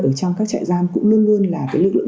ở trong các trại giam cũng luôn luôn là cái lực lượng